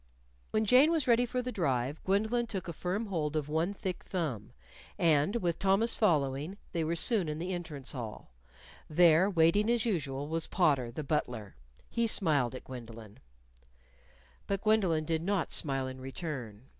_ When Jane was ready for the drive, Gwendolyn took a firm hold of one thick thumb. And, with Thomas following, they were soon in the entrance hall. There, waiting as usual, was Potter, the butler. He smiled at Gwendolyn. But Gwendolyn did not smile in return.